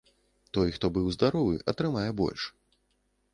Той, хто быў здаровы, атрымае больш.